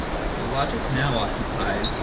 The Logic now occupies pp.